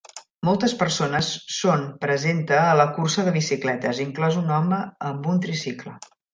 Moltes persones són presenta a la cursa de bicicletes, inclòs un home amb un tricicle.